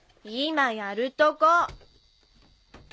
今やるとこ。